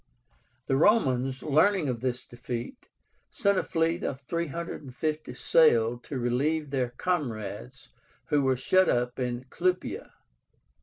The Romans, learning of this defeat, sent a fleet of 350 sail to relieve their comrades who were shut up in Clupea.